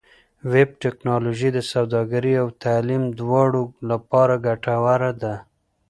ویب ټکنالوژي د سوداګرۍ او تعلیم دواړو لپاره ګټوره ده.